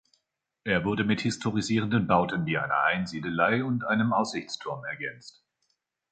Er wurde mit historisierenden Bauten, wie einer Einsiedelei und einem Aussichtsturm, ergänzt.